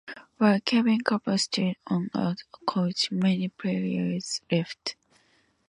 While Kevin Cooper stayed on as coach, many players left.